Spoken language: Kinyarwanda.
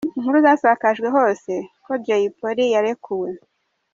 Inkuru zasakajwe hose ko Jay Polly yarekuwe.